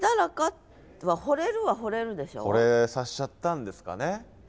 ほれさせちゃったんですかね。